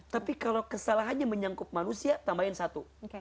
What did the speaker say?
tapi kalau kesalahannya menyangkut manusia tambahin satu